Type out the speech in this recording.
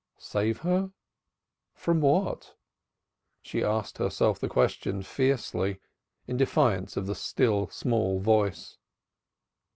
Save her? From what? She asked herself the question fiercely, in defiance of the still, small voice.